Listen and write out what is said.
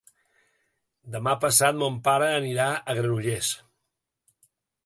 Demà passat mon pare anirà a Granollers.